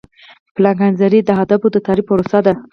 پلانګذاري د اهدافو د تعریف پروسه ده.